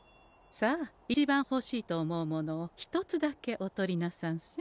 さあ一番ほしいと思うものを１つだけお取りなさんせ。